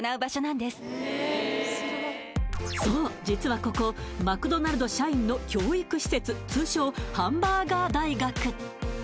実はここマクドナルド社員の教育施設通称ハンバーガー大学